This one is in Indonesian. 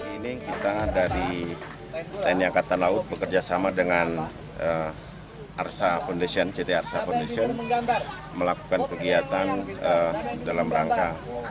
ini kita dari tni angkatan laut bekerjasama dengan arsa foundation ct arsa foundation melakukan kegiatan dalam rangka